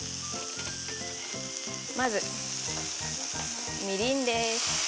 まず、みりんです。